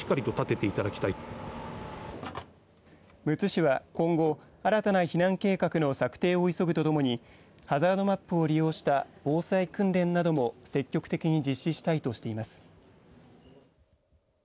むつ市は今後新たな避難計画の策定を急ぐとともにハザードマップを利用した防災訓練なども積極的に実施したいとしています。